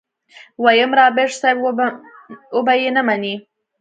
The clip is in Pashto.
ويم رابرټ صيب وبه يې نه منې.